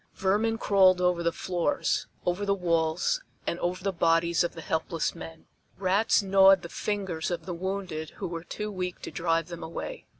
Vermin crawled over the floors, over the walls and over the bodies of the helpless men. Rats gnawed the fingers of the wounded who were too weak to drive them away.